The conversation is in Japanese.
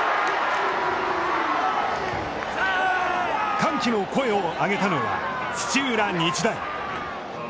歓喜の声を上げたのは、土浦日大。